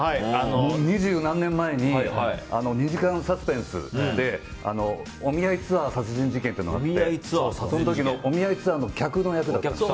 もう二十何年前に２時間サスペンスで「お見合いツアー殺人事件」っていうのがあってその時、お見合いツアーの客の役だったんです。